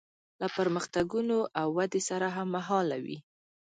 له پرمختګونو او ودې سره هممهاله وي.